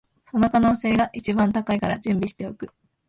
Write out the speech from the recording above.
その可能性が一番高いから準備しておく